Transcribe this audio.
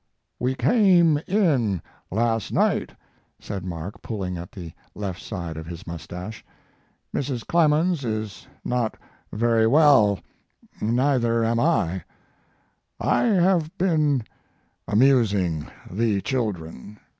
183 " We came in last night," said Mark, pulling at the left side of his mustache. "Mrs. Clemens is not very well, neither am I. I have been amusing the children.